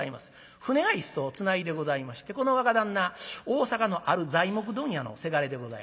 舟が一艘つないでございましてこの若旦那大阪のある材木問屋のせがれでございます。